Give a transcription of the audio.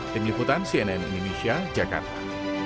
tim liputan cnn indonesia jakarta